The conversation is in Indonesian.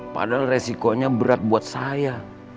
padahal resikonya berat buat saya